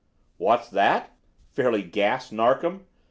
"What's that?" fairly gasped Narkom.